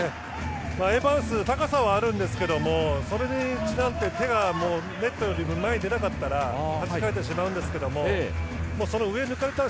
エバンズ、高さはあるんですけど手がネットよりも出なかったら諦めてしまうんですけどその上を抜かれたら